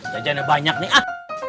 jajan udah banyak nih ah